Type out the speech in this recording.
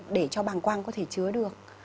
để cho bằng quang có thể chứa được